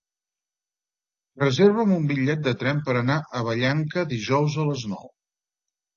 Reserva'm un bitllet de tren per anar a Vallanca dijous a les nou.